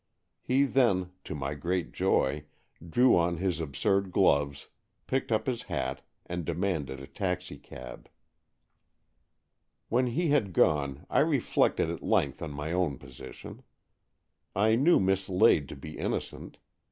He then, to my great joy, drew on his absurd gloves, picked up his hat, and demanded a taxicab. When he had gone, I reflected at length' on my own position. I knew Miss Lade to be innocent.